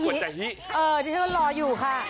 เออที่ท่านรออยู่ค่ะ